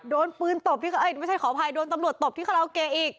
โดนปืนตบพี่เขาไม่ใช่ขอบภัยโดนตำรวจตบพี่เขาราวเกยอีก